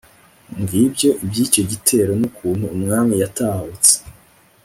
ngibyo iby'icyo gitero n'ukuntu umwami yatahutse